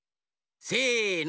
せの。